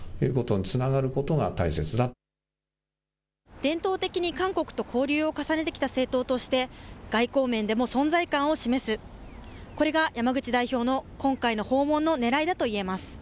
伝統的に韓国と交流を重ねてきた政党として外交面でも存在感を示すこれが山口代表の今回の訪問のねらいだと言えます。